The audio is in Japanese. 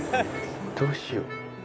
どうしよう。